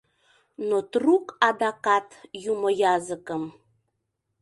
Но трук адакат Юмо языкым